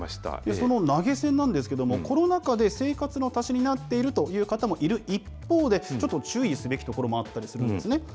その投げ銭なんですけれども、コロナ禍で生活の足しになっているという方もいる一方で、ちょっと注意すべきところもあったりするんですね。